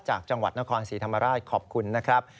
จากจังหวัดนครศรีธรรมราชขอบคุณนะครับ